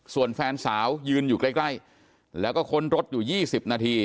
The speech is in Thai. ส่วนแฟนสาวยืนอยู่ใกล้แล้วก็ค้นรถอยู่๒๐นาที